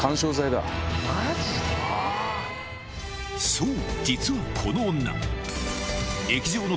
そう！